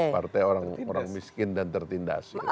partai orang miskin dan tertindas